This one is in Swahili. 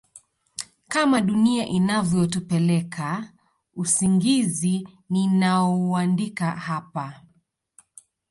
kama dunia inavyotupeleka Usingizi ninaouandika hapa